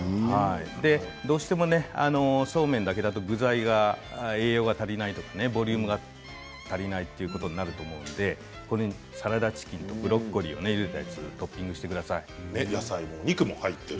どうしてもそうめんだけだと具材が栄養が足りないボリュームが足りないということになると思うのでこれにサラダチキンとブロッコリーのゆでたやつをトッピングしてください。